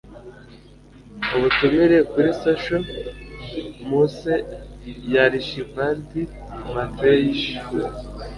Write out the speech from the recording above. ubutumire kuri social muse ya archibald macleish